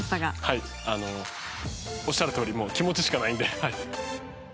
はい、おっしゃるとおり気持ちしかないんで。